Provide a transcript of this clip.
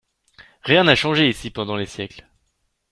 Rien n'a changé ici pendant les siècles.